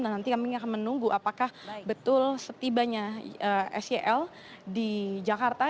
dan nanti kami akan menunggu apakah betul setibanya sel di jakarta